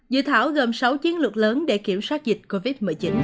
dự thảo gồm sáu chiến lược lớn để kiểm soát dịch covid một mươi chín